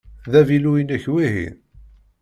D avilu-inek wihin?